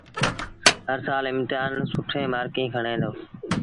هرسآل امتهآݩ ميݩ سيٚٺين مآرڪيٚݩ کڻي دو